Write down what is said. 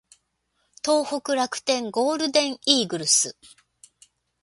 東北楽天ゴールデンイーグルス